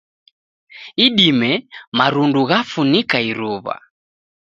Idime marundu ghafunika iruw'a